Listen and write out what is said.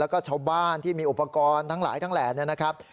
ก็ชาวบ้านที่มีอุปกรณ์ทั้งหลายนะครับ